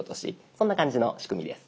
そんな感じの仕組みです。